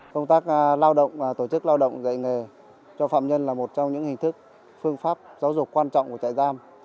công tác tổ chức lao động dạy nghề cho phạm nhân là một trong những hình thức phương pháp giáo dục quan trọng của chạy giam